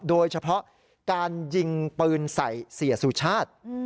โดยเฉพาะการยิงปืนใส่เสียสุชาติ